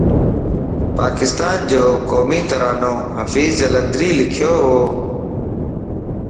پاڪستانَ جو قومي ترانو حفيظ جالندھريءَ لکيووَ